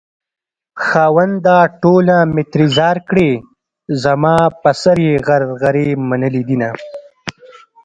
خاونده ټوله مې ترې ځار کړې زما په سر يې غرغرې منلي دينه